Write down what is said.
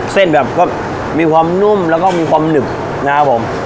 เส้นแบบก็มีความนุ่มแล้วก็มีความหนึบนะครับผม